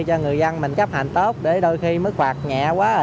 cho người dân mình chấp hành tốt để đôi khi mức phạt nhẹ quá